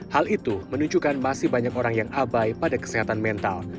hal itu menunjukkan masih banyak orang yang abai pada kesehatan mental